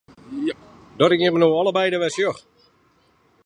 Dat ik jim no allebeide wer sjoch!